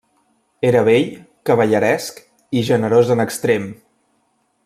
Era bell, cavalleresc i generós en extrem.